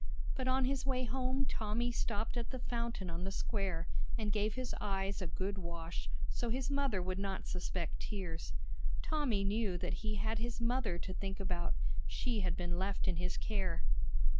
But on his way home Tommy stopped at the fountain on the square, and gave his eyes a good wash, so his mother would not suspect tears. Tommy knew that he had his mother to think about; she had been left in his care.